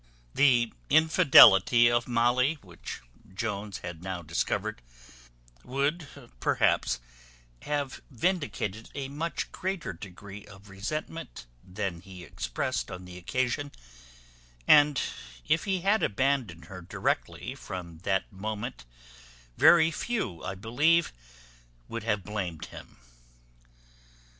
The infidelity of Molly, which Jones had now discovered, would, perhaps, have vindicated a much greater degree of resentment than he expressed on the occasion; and if he had abandoned her directly from that moment, very few, I believe, would have blamed him.